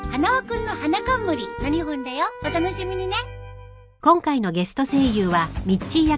お楽しみにね。